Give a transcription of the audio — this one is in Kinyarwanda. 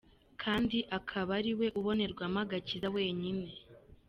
kandi akaba ariwe ubonerwamo agakiza wenyine.